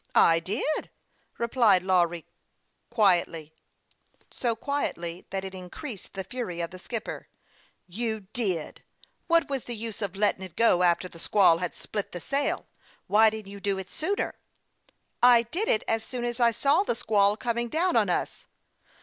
" I did," replied Lawry, quietly so quietly that it increased the fury of the skipper. " You did ! What was the use of lettin' it go after the squall had split the sail ? Why didn't you do it sooner ?"" I did it as soon as I saw the squall coming down on us."